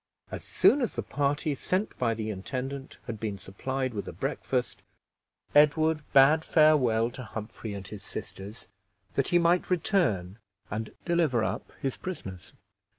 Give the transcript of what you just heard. As soon as the party sent by the intendant had been supplied with a breakfast, Edward bade farewell to Humphrey and his sisters, that he might return and deliver up his prisoners.